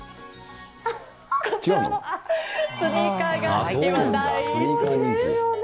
こちらのスニーカーが第１位です。